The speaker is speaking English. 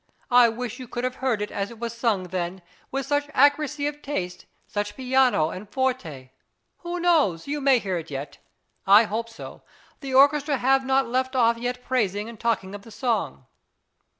I wish you could have heard it as it was sung then, with such accuracy of taste, such piano and forte. Who knows? you may hear it yet. I hope so. The orchestra have not left off yet praising and talking of the song.